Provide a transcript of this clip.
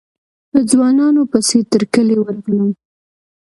په ځوانانو پسې تر کلي ورغلم.